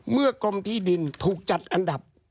กรมที่ดินถูกจัดอันดับ